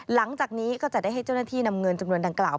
หลังจากนี้ก็จะได้ให้เจ้าหน้าที่นำเงินจำนวนดังกล่าว